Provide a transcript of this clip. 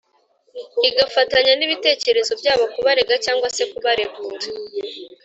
igafatanya n’ibitekerezo byabo kubarega cyangwa se kubaregura.